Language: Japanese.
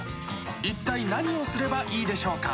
一体何をすればいいでしょうか？